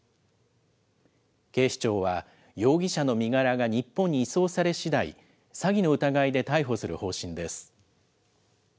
警視庁は、容疑者の身柄が日本に移送されしだい、詐欺の疑いで逮捕する方針です。